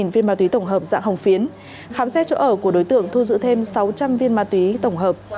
một mươi viên ma túy tổng hợp dạng hồng phiến khám xét chỗ ở của đối tượng thu giữ thêm sáu trăm linh viên ma túy tổng hợp